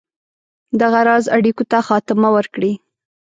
دغه راز اړېکو ته خاتمه ورکړي.